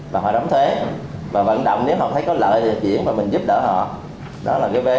và họ đóng thuế và vận động nếu họ thấy có lợi thì chuyển và mình giúp đỡ họ đó là cái vé